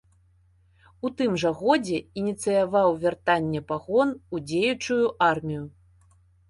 У тым жа годзе ініцыяваў вяртанне пагон у дзеючую армію.